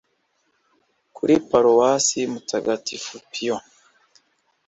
kuri paruwasi mjutagatifu piyo